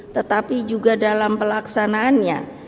tetapi juga dalam pelaksanaannya